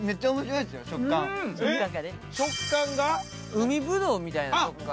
海ぶどうみたいな食感。